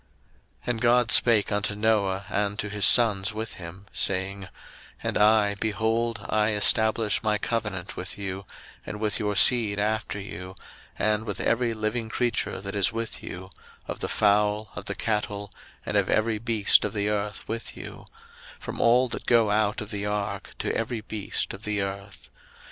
01:009:008 And God spake unto Noah, and to his sons with him, saying, 01:009:009 And I, behold, I establish my covenant with you, and with your seed after you; 01:009:010 And with every living creature that is with you, of the fowl, of the cattle, and of every beast of the earth with you; from all that go out of the ark, to every beast of the earth.